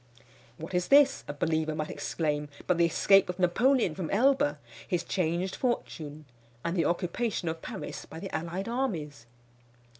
"What is this," a believer might exclaim, "but the escape of Napoleon from Elba his changed fortune, and the occupation of Paris by the allied armies?"